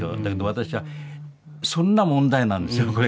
だけど私はそんな問題なんですよ